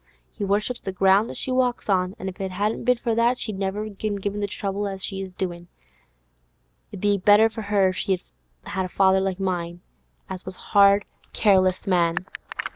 He worships the ground as she walks on, an' if it hadn't been for that, she'd never have given him the trouble as she is doin'. It 'ud a been better for her if she'd had a father like mine, as was a hard, careless man.